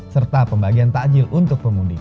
serta pembagian takjil untuk pemudik